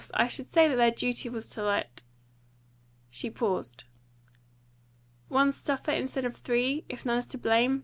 I should say that their duty was to let " She paused. "One suffer instead of three, if none is to blame?"